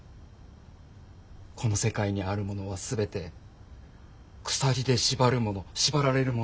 この世界にあるものは全て鎖で縛るもの縛られるものだけだ。